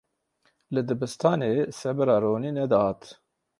Li dibistanê sebira Ronî nedihat.